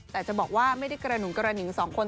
แต่จะบอกว่าไม่ได้กระหุงกระหิงสองคน